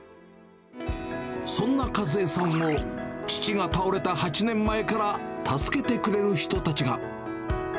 そんな和枝さんを、父が倒れた８年前から助けてくれる人たちが。